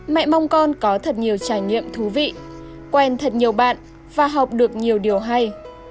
mẹ mong con có thật nhiều trải nghiệm thú vị quen thật nhiều bạn và học được nhiều điều hay